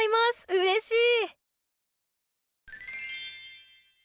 うれしい！